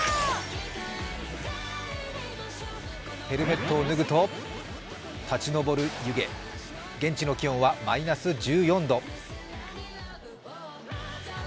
ヘルメットを脱ぐと、立ち上る湯気現地の気温はマイナス１４度。